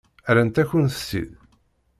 Rrant-akent-tt-id?